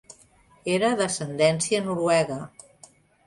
Era d'ascendència noruega.